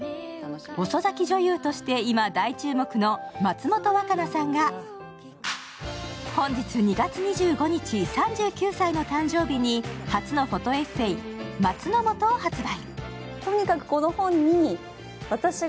遅咲き女優として今、大注目の松本若菜さんが本日２月２５日、３９歳の誕生日に初のフォトエッセイ「松の素」を発売。